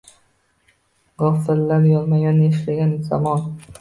Gʻofillar yonma-yon yashagan zamon.